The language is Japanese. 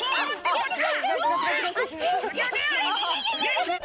こっちか！